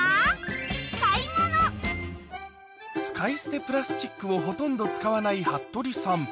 使い捨てプラスチックをほとんど使わない服部さん